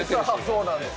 そうなんです。